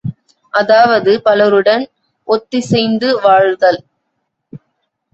அதாவது பலருடன் ஒத்திசைந்து வாழ்தல்.